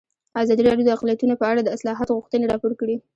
ازادي راډیو د اقلیتونه په اړه د اصلاحاتو غوښتنې راپور کړې.